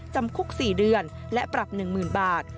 จำคุก๔เดือนและปรับ๑๐๐๐บาท